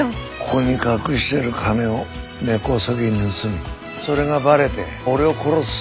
ここに隠してる金を根こそぎ盗みそれがばれて俺を殺す。